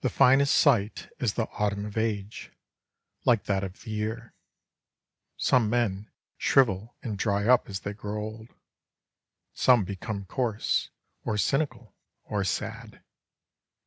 The finest sight is the autumn of age, like that of the year. Some men shrivel and dry up as they grow old. Some become coarse, or cynical, or sad.